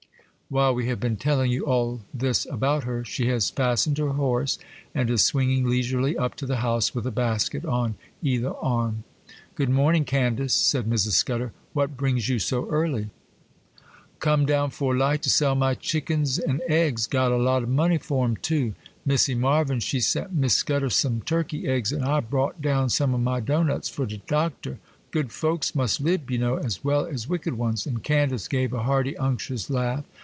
While we have been telling you all this about her, she has fastened her horse, and is swinging leisurely up to the house with a basket on either arm. 'Good morning, Candace,' said Mrs. Scudder. 'What brings you so early?' 'Come down 'fore light to sell my chickens an' eggs,—got a lot o' money for 'em, too. Missy Marvyn she sent Miss Scudder some turkey eggs, an' I brought down some o' my doughnuts for de Doctor. Good folks must lib, you know, as well as wicked ones,'—and Candace gave a hearty, unctuous laugh.